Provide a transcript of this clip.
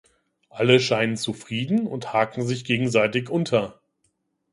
Alle scheinen zufrieden und haken sich gegenseitig unter.